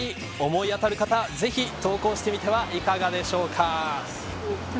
思い当たる方ぜひ投稿してみてはいかがでしょうか。